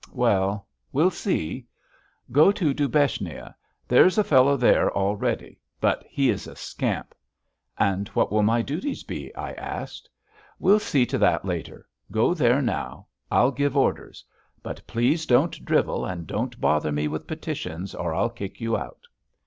Well, we'll see. Go to Dubechnia. There's a fellow there already. But he is a scamp." "And what will my duties be?" I asked. "We'll see to that later. Go there now. I'll give orders. But please don't drivel and don't bother me with petitions or I'll kick you out."